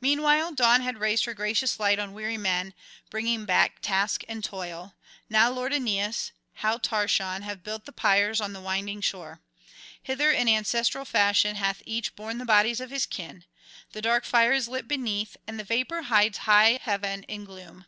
Meanwhile Dawn had raised her gracious light on weary men, bringing back task and toil: now lord Aeneas, now Tarchon, have built the pyres on the winding shore. Hither in ancestral fashion hath each borne the bodies of his kin; the dark fire is lit beneath, and the vapour hides high heaven in gloom.